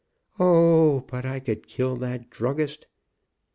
O, but I could kill that druggist.